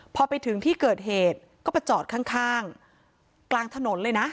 พอไปถึงที่เกิดเหตุก็มาจอดข้างข้างกลางถนนเลยนะ